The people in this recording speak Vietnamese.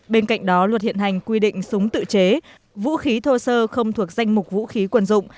bên cạnh đó luật hiện hành quy định súng tự chế vũ khí thô sơ không thuộc danh mục vũ khí quần dụng